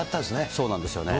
そうなんですよね。